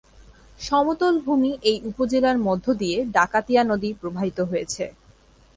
সমতল ভূমি এই উপজেলার মধ্য দিয়ে ডাকাতিয়া নদী প্রবাহিত হয়েছে।